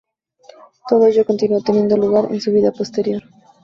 Todo ello continuó teniendo lugar en su vida posterior.